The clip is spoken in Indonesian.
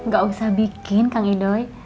gak usah bikin kang edoy